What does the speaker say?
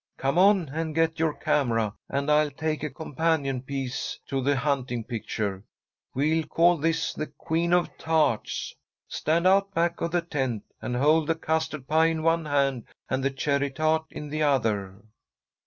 Come on and get your camera, and I'll take a companion piece to the hunting picture. We'll call this the 'Queen of Tarts.' Stand out back of the tent, and hold the custard pie in one hand, and the cherry tart in the other."